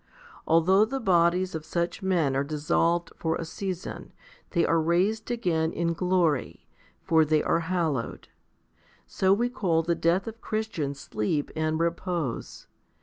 Although the bodies of such men are dissolved for a season, they are raised again in glory, for they are hallowed. So we call the death of Christians sleep and repose.